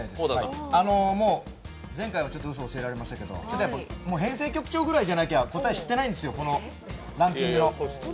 前回はうそを教えられましたけど、編成局長ぐらいじゃなきゃ答え、知ってないんですよ、このランキング。